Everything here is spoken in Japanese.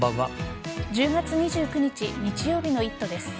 １０月２９日日曜日の「イット！」です。